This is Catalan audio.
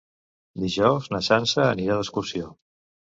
Dijous na Sança anirà d'excursió.